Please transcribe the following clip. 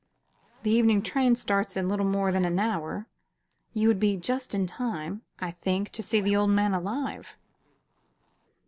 "The evening train starts in little more than an hour. You would be just in time, I think, to see the old man alive."